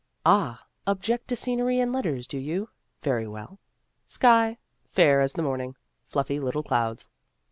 (Ah, object to scenery in letters, do you ? Very well.) Sky fair as the morning fluffy little clouds.